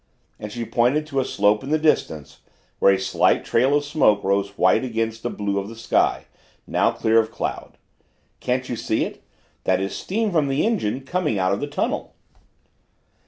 and she pointed to a slope in the distance where a slight trail of smoke rose white against the blue of the sky, now clear of cloud. "Can't you see it? That is the steam from the engine coming out of the tunnel."